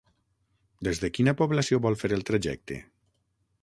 Des de quina població vol fer el trajecte?